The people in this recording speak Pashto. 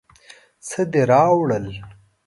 څه دې راوړل.